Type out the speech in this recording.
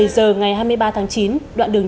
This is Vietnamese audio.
một mươi giờ ngày hai mươi ba tháng chín đoạn đường